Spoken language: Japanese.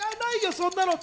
そんなの。